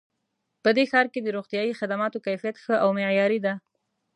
په دې ښار کې د روغتیایي خدماتو کیفیت ښه او معیاري ده